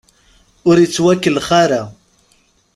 Ur ittwakellax ara.